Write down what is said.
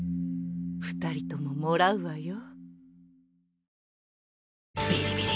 二人とももらうわよ。